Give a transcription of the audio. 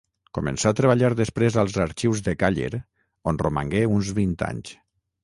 Començà a treballar després als arxius de Càller on romangué uns vint anys.